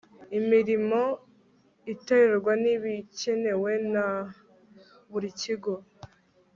imirimo iterwa n ibikenewe na buri kigo